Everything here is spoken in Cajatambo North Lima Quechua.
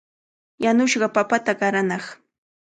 Yanushqa papata qaranaaq.